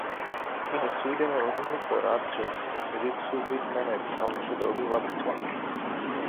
তিনি সুইডেনের অধিভুক্ত রাজ্য রিকসুভিটসম্যানের স্বঘোষিত অভিবাবক ছিলেন।